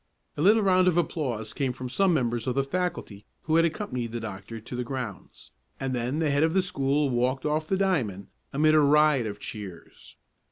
A little round of applause came from some members of the faculty who had accompanied the doctor to the grounds, and then the head of the school walked off the diamond amid a riot of cheers.